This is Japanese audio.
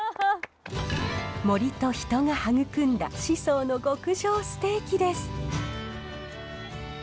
森と人が育んだ宍粟の極上ステーキです。